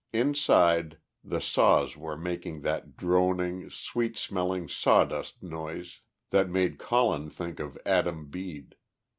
Inside, the saws were making that droning, sweet smelling, sawdust noise that made Colin think of "Adam Bede."